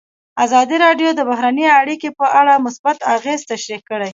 ازادي راډیو د بهرنۍ اړیکې په اړه مثبت اغېزې تشریح کړي.